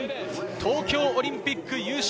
東京オリンピック優勝。